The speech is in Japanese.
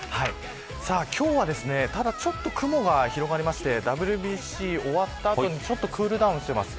今日は、ちょっと雲が広がってＷＢＣが終わった後にちょっとクールダウンします。